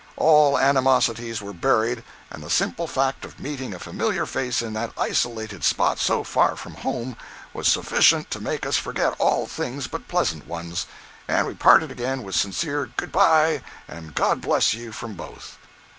All animosities were buried and the simple fact of meeting a familiar face in that isolated spot so far from home, was sufficient to make us forget all things but pleasant ones, and we parted again with sincere "good bye" and "God bless you" from both.